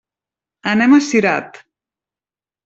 Anem a Cirat.